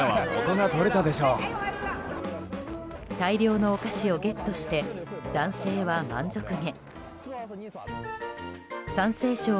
大量のお菓子をゲットして男性は満足げ。